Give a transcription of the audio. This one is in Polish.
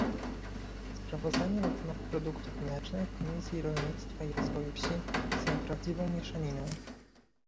Sprawozdania na temat produktów mlecznych Komisji Rolnictwa i Rozwoju Wsi są prawdziwą mieszaniną